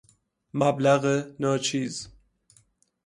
مبلغ ناچیز